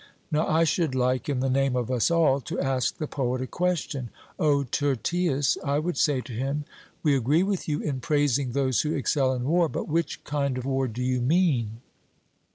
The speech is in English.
Now I should like, in the name of us all, to ask the poet a question. Oh Tyrtaeus, I would say to him, we agree with you in praising those who excel in war, but which kind of war do you mean?